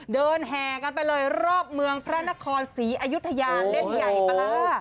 แห่กันไปเลยรอบเมืองพระนครศรีอยุธยาเล่นใหญ่ปลาร้า